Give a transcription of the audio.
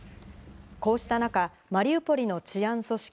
こうした中、マリウポリの治安組織